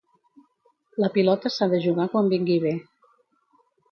La pilota s'ha de jugar quan vingui bé.